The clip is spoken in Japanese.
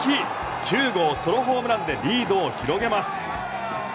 ９号ソロホームランでリードを広げます。